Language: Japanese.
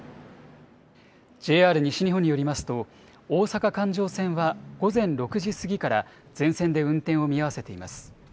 ＪＲ西日本によりますと、大阪環状線は午前６時過ぎから全線で運転を見合わせています。